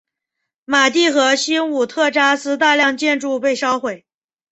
马蒂和新武特扎斯大量建筑被烧毁。